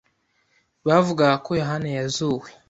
bavugaga ko Yohana yazuwe